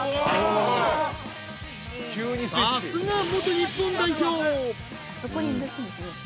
［さすが元日本代表］